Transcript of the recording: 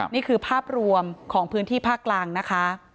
นี่คือภาพรวมของพื้นที่ภาคกลางนะคะ